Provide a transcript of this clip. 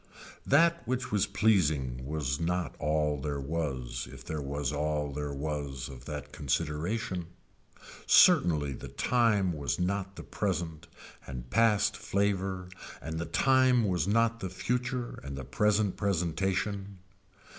That which was pleasing was not all there was if there was all there was of that consideration. Certainly the time was not the present and past flavor and the time was not the future and the present presentation.